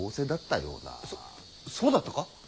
そそうだったか？